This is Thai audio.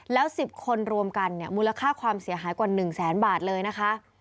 แล้ว๑๐คนรวมกันเนี่ยมูลค่าความเสียหายกว่า๑แสนบาทเลยนะคะ